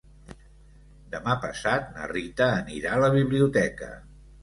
Demà passat na Rita anirà a la biblioteca.